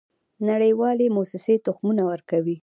نړیوالې موسسې تخمونه ورکوي.